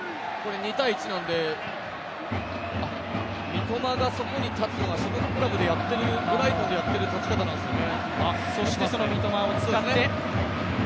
２対１なので三笘がそこに立っているのはブライトンでやっている立ち方なんですよね。